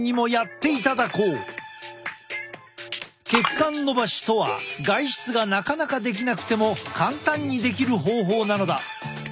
血管のばしとは外出がなかなかできなくても簡単にできる方法なのだ。